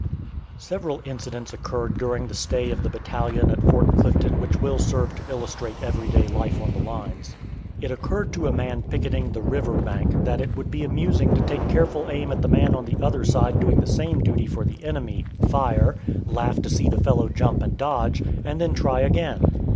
Several incidents occurred during the stay of the battalion at Fort Clifton which will serve to illustrate every day life on the lines. It occurred to a man picketing the river bank that it would be amusing to take careful aim at the man on the other side doing the same duty for the enemy, fire, laugh to see the fellow jump and dodge, and then try again.